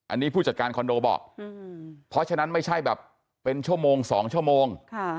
อันนี้ผู้จัดการคอนโดบอกเพราะฉะนั้นไม่ใช่แบบเป็นชั่วโมง๒ชั่วโมง